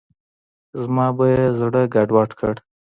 زما به یې زړه ګډوډ کړ.